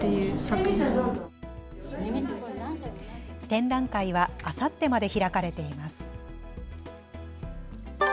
展覧会はあさってまで開かれています。